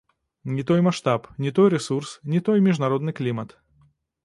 Не той маштаб, не той рэсурс, не той міжнародны клімат.